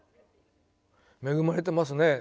恵まれてますね。